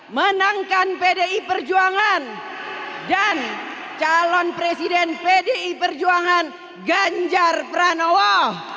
menangkan pdi perjuangan dan calon presiden pdi perjuangan ganjar pranowo